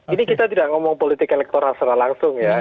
ini kita tidak ngomong politik elektoral secara langsung ya